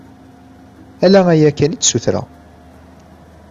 Ala aya kan i d-ssutreɣ.